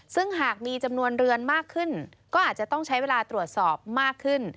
ซึ่งหากมีจำนวนเรือนมากขึ้นก็อาจจะต้องใช้เวลาตรวจสอบมากขึ้น